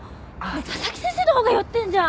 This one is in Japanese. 佐々木先生のほうが酔ってるじゃん！